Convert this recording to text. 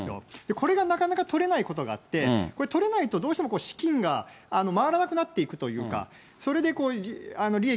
これがなかなか取れないことがあって、取れないとどうしても資金が回らなくなっていくというか、それで利益